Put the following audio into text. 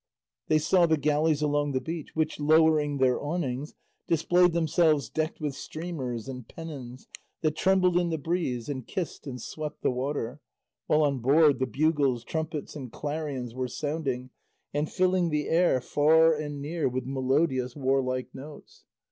They saw the galleys along the beach, which, lowering their awnings, displayed themselves decked with streamers and pennons that trembled in the breeze and kissed and swept the water, while on board the bugles, trumpets, and clarions were sounding and filling the air far and near with melodious warlike notes.